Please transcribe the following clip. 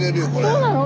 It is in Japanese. そうなの？